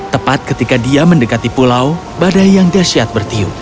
tepat ketika dia mendekati pulau badai yang dasyat bertiup